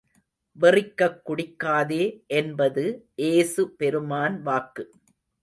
வெறிக்கக் குடிக்காதே என்பது ஏசு பெருமான் வாக்கு.